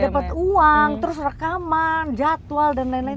udah dapet uang terus rekaman jadwal dan lain lain